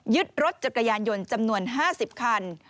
รถจักรยานยนต์จำนวน๕๐คัน